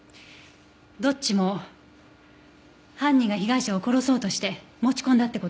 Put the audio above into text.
どっちも犯人が被害者を殺そうとして持ち込んだって事？